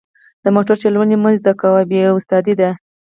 د موټر چلوونه مه زده کوه بې استاده.